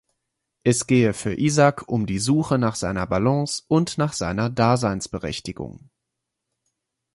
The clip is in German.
Es gehe für Isak um die Suche nach seiner Balance und nach seiner Daseinsberechtigung.